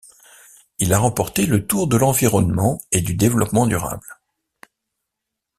Il a remporté le Tour de l'Environnement et du Développement durable.